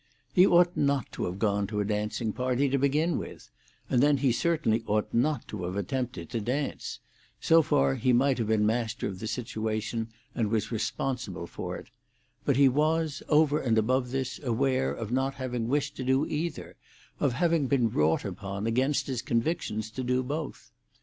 He ought not to have gone to a dancing party, to begin with, and then he certainly ought not to have attempted to dance; so far he might have been master of the situation, and was responsible for it; but he was, over and above this, aware of not having wished to do either, of having been wrought upon against his convictions to do both.